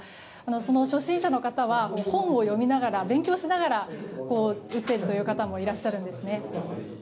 その初心者の方は本を読みながら、勉強しながら打っているという方もいらっしゃるんです。